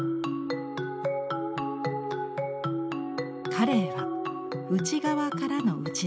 カレイは内側からの打ち出し。